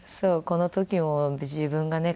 この時も自分がね